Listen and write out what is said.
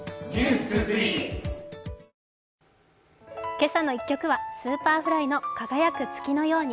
「けさの１曲」はＳｕｐｅｒｆｌｙの「輝く月のように」。